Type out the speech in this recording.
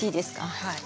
はい。